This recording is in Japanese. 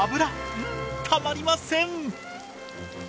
うんたまりません！